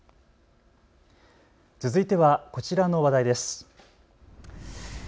続いてはこちらの話題です。